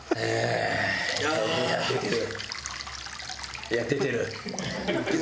出てる。